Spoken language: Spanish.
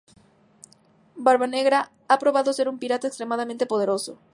Barbanegra ha probado ser un pirata extremadamente poderoso.